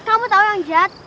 kamu tau yang jahat